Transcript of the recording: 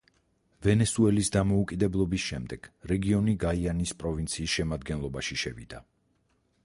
ვენესუელის დამოუკიდებლობის შემდეგ, რეგიონი გაიანის პროვინციის შემადგენლობაში შევიდა.